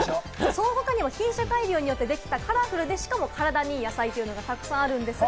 その他にも、品種改良によってできたカラフルで体にいい野菜があるんですよ。